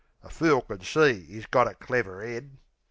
A fool could see 'e's got a clever 'ead.